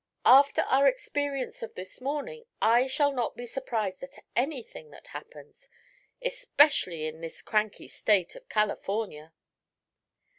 After our experience of this morning I shall not be surprised at anything that happens especially in this cranky state of California."